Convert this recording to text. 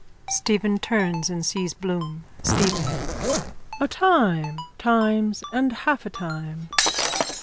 (Stephen turns and sees Bloom.) STEPHEN: A time, times and half a time.